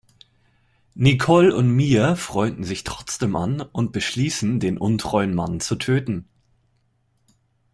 Nicole und Mia freunden sich trotzdem an und beschließen, den untreuen Mann zu töten.